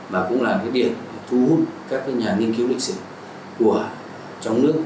và cũng là một địa thu hút các nhà nghiên cứu lịch sử của trong nước